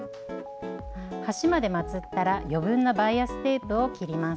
端までまつったら余分なバイアステープを切ります。